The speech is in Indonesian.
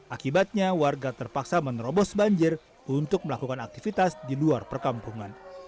akibatnya warga terpaksa menerobos banjir untuk melakukan aktivitas di luar perkampungan